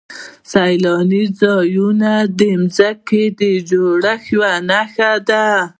سیلاني ځایونه د ځمکې د جوړښت یوه نښه ده.